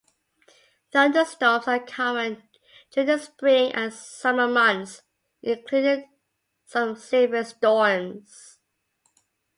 Thunderstorms are common during the spring and summer months, including some severe storms.